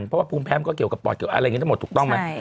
เพราะว่าภูมิแพ้มันก็เกี่ยวกับปอดเกี่ยวอะไรอย่างนี้ทั้งหมดถูกต้องไหม